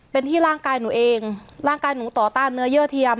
เป็นที่ร่างกายหนูเองร่างกายหนูต่อต้านเนื้อเยื่อเทียม